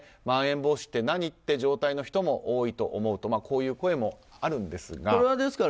まん延防止って何っていう状態の人も多いと思うとこういう声もあるんですが。